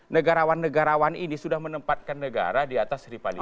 negarawan negarawan ini sudah menempatkan negara di atas rivalitas